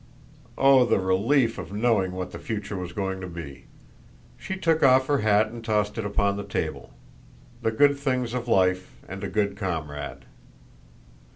Oh, the relief of knowing what the future was going to be! She took off her hat and tossed it upon the table. The good things of life, and a good comrade.